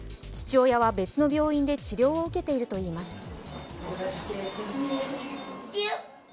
父親は別の病院で治療を受けていると言います。